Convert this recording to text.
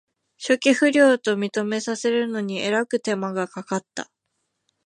初期不良と認めさせるのにえらく手間がかかった